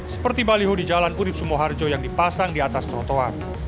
seperti baliho di jalan urib sumoharjo yang dipasang di atas trotoar